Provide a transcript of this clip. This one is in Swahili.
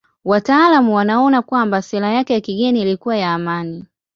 Wataalamu wanaona kwamba sera yake ya kigeni ilikuwa ya amani.